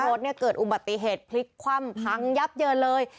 รถเนี่ยเกิดอุบัติเหตุพลิกคว่ำพังยับเยินเลย